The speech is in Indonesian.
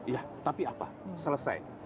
ya tapi apa selesai